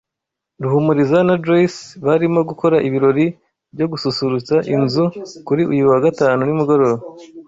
Ruhumuriza na Joyce barimo gukora ibirori byo gususurutsa inzu kuri uyu wa gatanu nimugoroba.